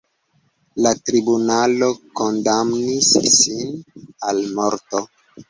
La tribunalo kondamnis ŝin al morto.